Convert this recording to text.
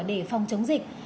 để phòng chống dịch